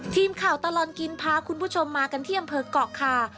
ทีมข่าวตลอดกินพาคุณผู้ชมมากันที่อำเภอกเกาะคา